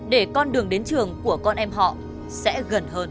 để con đường đến trường của con em họ sẽ gần hơn